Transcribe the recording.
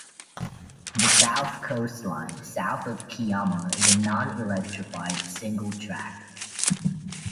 The South Coast Line south of Kiama is non-electrified single track.